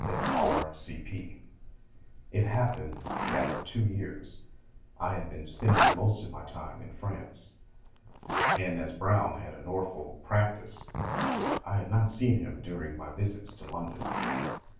F.R.C.P. It happened that for two years I had been spending most of my time in France, and as Browne had a Norfolk practice, I had not seen him during my visits to London.